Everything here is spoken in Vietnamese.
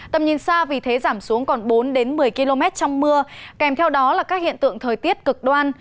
tầm nhìn xa vì thế giảm xuống còn bốn một mươi km trong mưa kèm theo đó là các hiện tượng thời tiết cực đoan